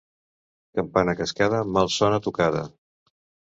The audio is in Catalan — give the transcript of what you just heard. Campana cascada, mal sona tocada.